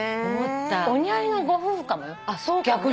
お似合いのご夫婦かもよ逆に。